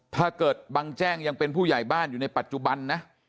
บังแจ้งยังเป็นผู้ใหญ่บ้านอยู่ในปัจจุบันนะ